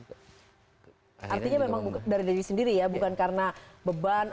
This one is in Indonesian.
artinya memang dari diri sendiri ya bukan karena beban